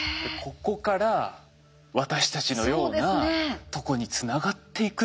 ここから私たちのようなとこにつながっていくって。